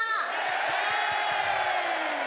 イエーイ！